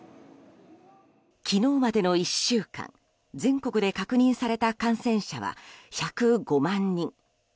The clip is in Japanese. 昨日までの１週間全国で確認された感染者は１０５万人。